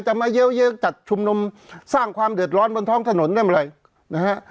มาเยอะเยอะจัดชุมนุมสร้างความเดือดร้อนบนท้องถนนได้เมื่อไหร่นะฮะ